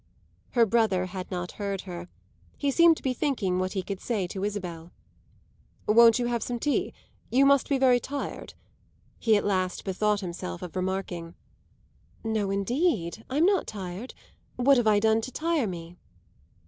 Her brother had not heard her; he seemed to be thinking what he could say to Isabel. "Won't you have some tea? you must be very tired," he at last bethought himself of remarking. "No indeed, I'm not tired; what have I done to tire me?"